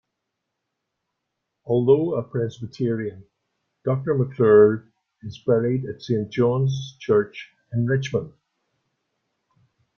Although a Presbyterian, Doctor McClurg is buried at Saint John's Church in Richmond.